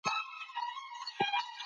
ژبه ازادي ساتي.